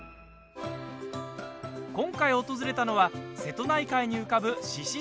今回訪れたのは瀬戸内海に浮かぶ志々島。